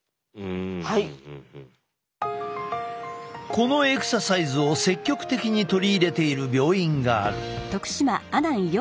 このエクササイズを積極的に取り入れている病院がある。